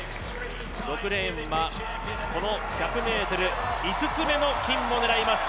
６レーンはこの１００ｍ、５つ目の金を狙います